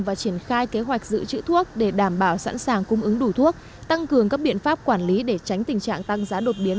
và triển khai kế hoạch giữ chữ thuốc để đảm bảo sẵn sàng cung ứng đủ thuốc tăng cường các biện pháp quản lý để tránh tình trạng tăng giá đột biến